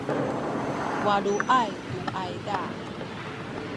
waluay tu ayza